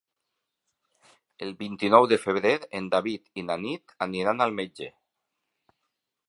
El vint-i-nou de febrer en David i na Nit aniran al metge.